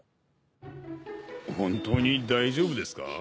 本当に大丈夫ですか？